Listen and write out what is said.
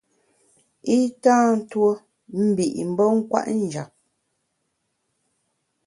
I tâ ntuo mbi’ mbe kwet njap.